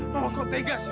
ma mama kau tegas ma